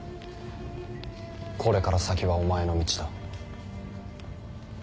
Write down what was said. これから先はお前の道だ。